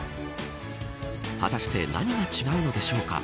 果たして何が違うのでしょうか。